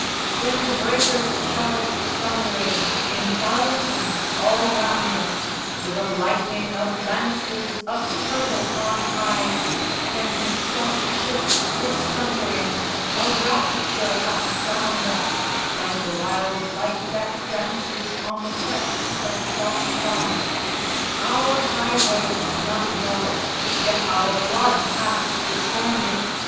When the breakers charged thundering In thousands all round us With a lightning of lances Up hurtled on high, When the stout ships were sundering A rapture hath crowned us Like the wild light that dances On the crests that flash by. _Our highway none knoweth, Yet our blood hath discerned it!